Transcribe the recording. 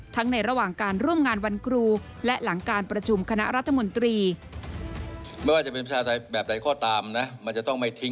ในระหว่างการร่วมงานวันครูและหลังการประชุมคณะรัฐมนตรี